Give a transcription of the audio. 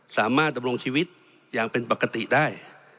สามารถดำรงชีวิตอย่างเป็นปกติได้